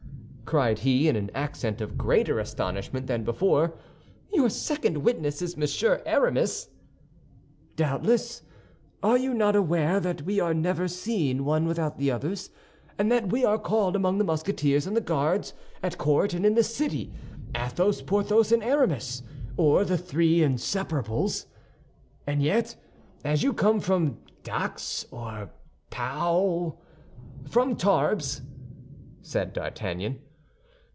cried he, in an accent of greater astonishment than before, "your second witness is Monsieur Aramis?" "Doubtless! Are you not aware that we are never seen one without the others, and that we are called among the Musketeers and the Guards, at court and in the city, Athos, Porthos, and Aramis, or the Three Inseparables? And yet, as you come from Dax or Pau—" "From Tarbes," said D'Artagnan.